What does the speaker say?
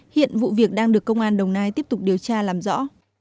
hiện vụ việc đang được công an đồng nai tiếp tục điều tra làm rõ